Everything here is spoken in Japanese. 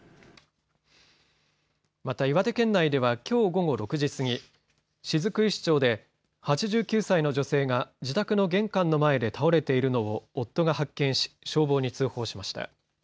また、岩手県ではきょう午後６時過ぎ雫石町で８９歳の女性が自宅の玄関の前で倒れているのを夫が発見し消防に通報しました。